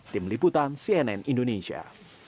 tim liputan cnn indonesia